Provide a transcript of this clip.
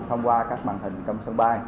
thông qua các màn hình trong sân bay